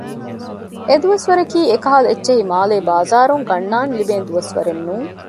އެ ދުވަސްވަރަކީ އެކަހަލަ އެއްޗެހި މާލޭ ބާޒާރުން ގަންނާން ލިބޭ ދުވަސްވަރެއް ނޫން